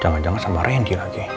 jangan jangan sama randy lagi